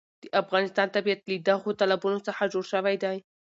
د افغانستان طبیعت له دغو تالابونو څخه جوړ شوی دی.